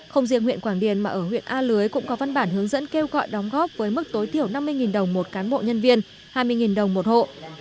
không riêng huyện quảng điền mà ở huyện a lưới cũng có văn bản hướng dẫn kêu gọi đóng góp với mức tối thiểu năm mươi đồng một cán bộ nhân viên hai mươi đồng một hộ